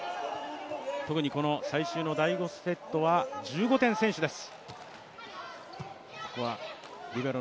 特に最終の第５セットは１５点先取です。